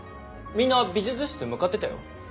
みんな美術室へ向かってたよ。